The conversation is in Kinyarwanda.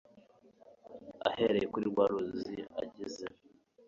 ahereye kuri rwa ruzi ageze